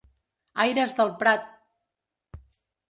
Aires del Prat!